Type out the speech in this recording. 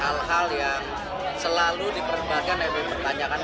hal hal yang selalu dipertimbangkan dan dipertanyakan